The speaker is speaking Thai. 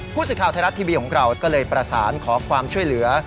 ผู้สื่อข่าวไทยรัฐทีวีของเราก็เลยประสานขอความช่วยเหลือ